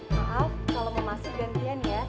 maaf kalau mau masuk gantian ya